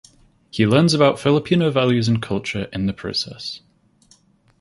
He learns about Filipino values and culture in the process.